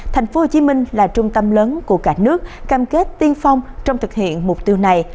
thành phố hồ chí minh là trung tâm lớn của cả nước cam kết tiên phong trong thực hiện mục tiêu này